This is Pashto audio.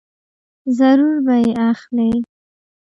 ضرور به یې اخلې !